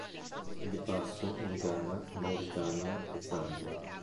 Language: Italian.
È di passo in Ghana, Mauritania e Zambia.